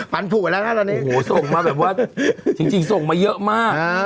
ผูกมาแล้วนะตอนนี้โอ้โหส่งมาแบบว่าจริงส่งมาเยอะมาก